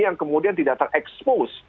yang kemudian tidak terekspos